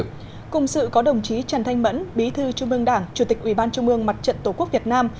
cùng sự có đồng chí trần thanh mẫn bí thư trung ương đảng chủ tịch ubnd mặt trận tổ quốc việt nam